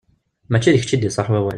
Mačči d kečč i d-iṣaḥ wawal.